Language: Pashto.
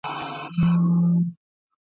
په سل ګونو یې وه کړي سفرونه .